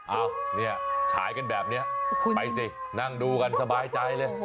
อ้าวเนี่ยฉายกันแบบนี้ไปสินั่งดูกันสบายใจเลย